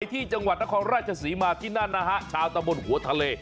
ที่จังหวัดนครราชศรีมาที่นั่นนะฮะชาวตะบนหัวทะเล